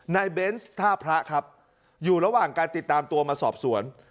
เบนส์ท่าพระครับอยู่ระหว่างการติดตามตัวมาสอบสวน